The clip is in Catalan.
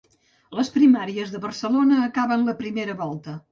Les primàries de Barcelona acaben la primera volta